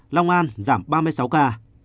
long an giảm ba mươi sáu ca